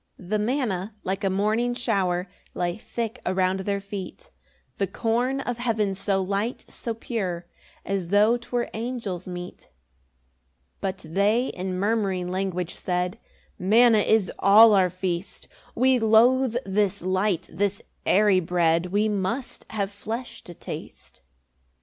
3 The manna, like a morning shower, Lay thick around their feet; The corn of heaven, so light, so pure, As tho' 'twere angels' meat. 4 But they in murmuring language said, "Manna is all our feast; "We loathe this light, this airy bread; "We must have flesh to taste."